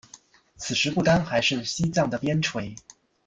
此时不丹还是西藏的边陲。